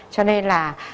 cho nên là